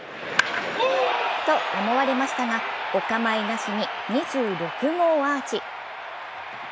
と思われましたが、お構いなしに２６号アーチ。